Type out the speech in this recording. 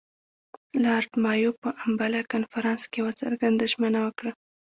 لارډ مایو په امباله کنفرانس کې یوه څرګنده ژمنه وکړه.